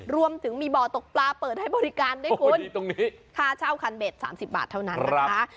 รวมถึงมีบ่อตกปลาเปิดให้บริการด้วยคุณตรงนี้ค่าเช่าคันเบ็ด๓๐บาทเท่านั้นนะคะ